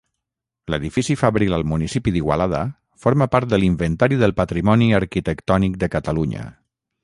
L'edifici fabril al municipi d'Igualada forma part de l'Inventari del Patrimoni Arquitectònic de Catalunya.